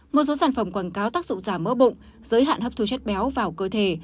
một số sản phẩm quảng cáo tác dụng giả mỡ bụng giới hạn hấp thu chất béo vào cơ thể